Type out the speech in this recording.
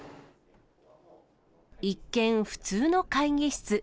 一見、普通の会議室。